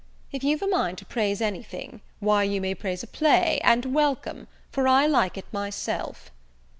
If you've a mind to praise any thing, why you may praise a play, and welcome, for I like it myself."